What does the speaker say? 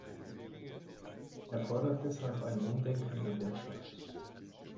Er fordert deshalb ein Umdenken der Wirtschaft.